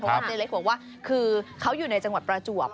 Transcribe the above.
เพราะว่าเจ๊เล็กบอกว่าคือเขาอยู่ในจังหวัดประจวบ